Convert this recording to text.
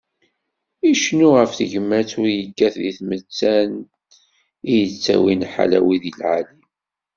Icennu γef tegmat u yekkat di tmettan i yettawin ḥala wid lεali.